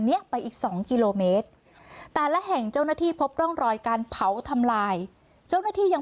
เนี้ยไปอีกสองกิโลเมตรแต่ละแห่งเจ้าหน้าที่พบร่องรอยการเผาทำลายเจ้าหน้าที่ยัง